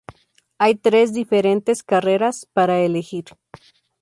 Hay tres diferentes carreras para elegir.